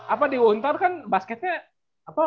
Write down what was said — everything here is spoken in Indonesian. apa diuntar kan basketnya